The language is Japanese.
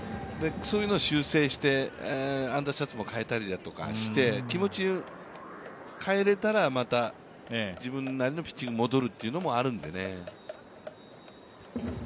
そういうのを修正してアンダーシャツも変えたりとかして、気持ちを変えられたら、また自分なりのピッチングに戻るというのもあるんでね。